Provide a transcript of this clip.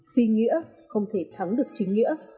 phi nghĩa không thể thắng được chính nghĩa